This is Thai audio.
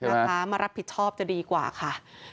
มารับผิดชอบจะดีกว่าค่ะ